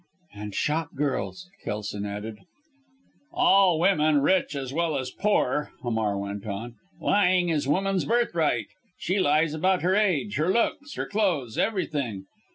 "And shop girls!" Kelson added. "All women rich as well as poor!" Hamar went on. "Lying is woman's birthright. She lies about her age, her looks, her clothes everything.